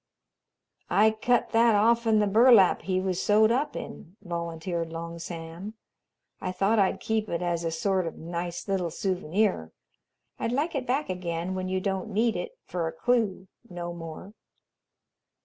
"I cut that off'n the burlap he was sewed up in," volunteered Long Sam, "I thought I'd keep it as a sort of nice little souvenir. I'd like it back again when you don't need it for a clue no more."